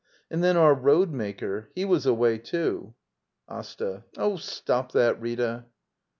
] And then our road maker — he was away, too. Asta. Oh, stop that, Rita.